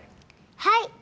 はい！